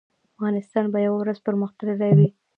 افغانستان به یو ورځ پرمختللی وي